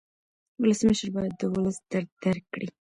ولسمشر باید د ولس درد درک کړي.